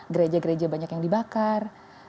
gereja gereja banyak yang dibakar